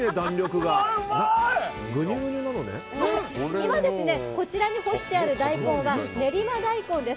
今、こちらに干してある大根は練馬大根です。